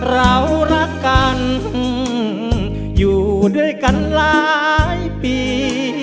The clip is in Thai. เรารักกันอยู่ด้วยกันหลายปี